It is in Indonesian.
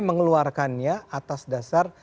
mengeluarkannya atas dasar